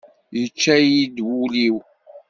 Yečča-yi-d wul-iw!